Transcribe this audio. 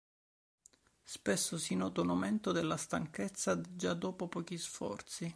Spesso si nota un aumento della stanchezza già dopo pochi sforzi.